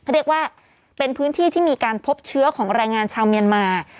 เรียกว่าเป็นพื้นที่ที่มีการพบเชื้อของแรงงานชาวเมียนมา